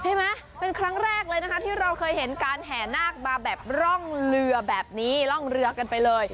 ใช่ไหมเป็นครั้งแรกเลยนะคะที่เราเคยเห็นการแห่นาคมาแบบร่องเรือแบบนี้ร่องเรือกันไปเลย